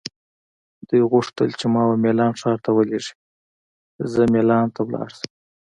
دوی غوښتل چې ما وه میلان ښار ته ولیږي، زه مېلان ته لاړ شم.